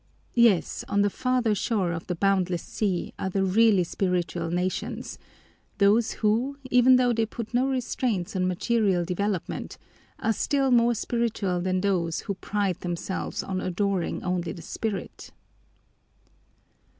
Yes, on the farther shore of the boundless sea are the really spiritual nations, those who, even though they put no restraints on material development, are still more spiritual than those who pride themselves on adoring only the spirit!"